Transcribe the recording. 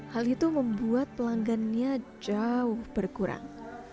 hal itu membuat pelanggannya jauh berkurang